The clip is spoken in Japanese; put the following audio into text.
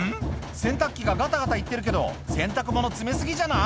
洗濯機がガタガタいってるけど洗濯物詰め過ぎじゃない？